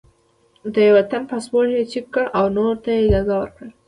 د یوه تن پاسپورټ یې چیک کړ او نورو ته یې اجازه ورکړه.